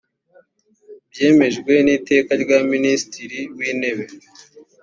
byemejwe n iteka rya minisitiri w intebe